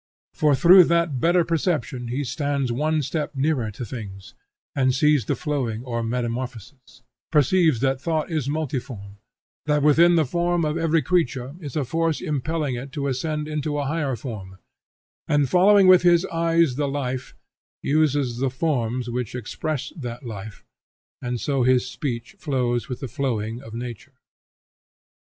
For through that better perception he stands one step nearer to things, and sees the flowing or metamorphosis; perceives that thought is multiform; that within the form of every creature is a force impelling it to ascend into a higher form; and following with his eyes the life, uses the forms which express that life, and so his speech flows with the flowing of nature.